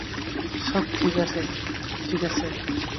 সব ঠিক আছে, ঠিক আছে।